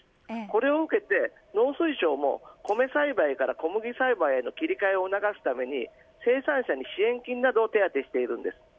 これを受けて農水省も、米栽培からの小麦栽培への切り替えを促すために生産者に支援金などを手当しているんです。